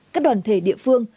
các đoàn thể địa phương